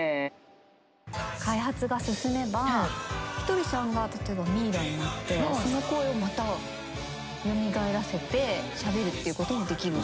開発が進めばひとりさんが例えばミイラになってその声をまた蘇らせてしゃべるっていうこともできる。